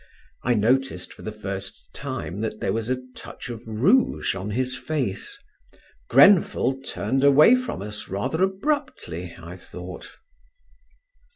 I noticed for the first time that there was a touch of rouge on his face; Grenfell turned away from us rather abruptly I thought.